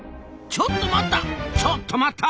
ちょっと待った！